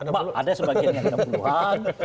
ada sebagian yang enam puluh an